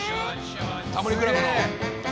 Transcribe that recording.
『タモリ倶楽部』の。